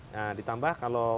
nah ditambah kalau